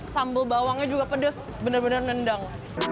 sambal bawangnya juga pedes bener bener nendang